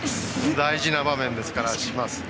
大事な場面ですから、します。